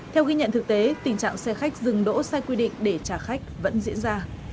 theo ghi nhận thực tế tình trạng xe khách dừng đỗ sai quy định để trả khách vẫn diễn ra